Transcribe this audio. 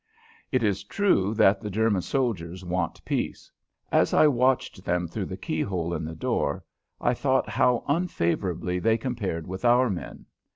It is true that the German soldiers want peace. As I watched them through the keyhole in the door I thought how unfavorably they compared with our men.